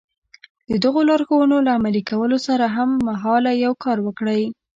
د دغو لارښوونو له عملي کولو سره هممهاله يو کار وکړئ.